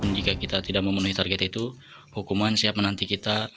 jika kita tidak memenuhi target itu hukuman siap menanti kita